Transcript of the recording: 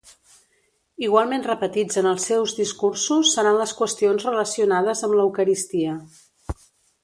Igualment repetits en els seus discursos seran les qüestions relacionades amb l'Eucaristia.